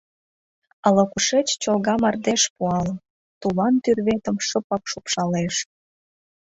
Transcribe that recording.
Ала-кушеч Чолга мардеж, пуалын, Тулан тӱрветым Шыпак шупшалеш.